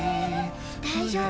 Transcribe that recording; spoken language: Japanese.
大丈夫。